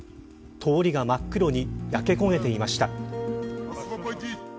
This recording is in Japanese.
通りが真っ黒に焼け焦げていました。